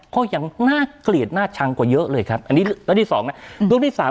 ก็ยังน่าเกลียดน่าชังกว่าเยอะเลยครับอันนี้เรื่องที่สองนะลูกที่สาม